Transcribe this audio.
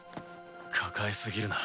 抱え過ぎるな。